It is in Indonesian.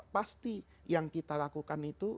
pasti yang kita lakukan itu